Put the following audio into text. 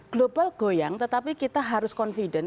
global goyang tetapi kita harus confident